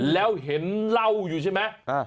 แล้วเห็นเหล้าอยู่ใช่ไหม